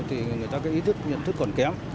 thì người ta cái ý thức nhận thức còn kém